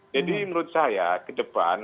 jadi menurut saya ke depan